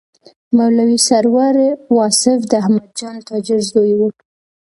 مولوي سرور واصف د احمدجان تاجر زوی و.